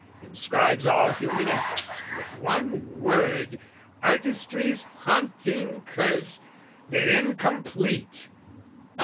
Inscribes all human effort with one word, Artistry's haunting curse, the Incomplete!